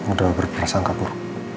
udah berpingsan kabur